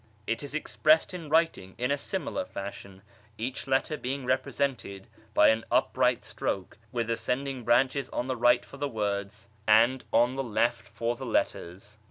It is expressed in writing in a similar fashion, each letter being represented by an upright stroke, with ascending branches on the right for the words and on the left 392 A YEAR AMONGST THE TERSIANS for the letters.